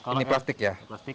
ini plastik ya